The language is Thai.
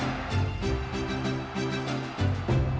ชายนาฏและอาร์มีนะครับได้รับความเป็นธรรม